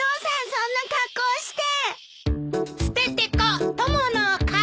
そんな格好して！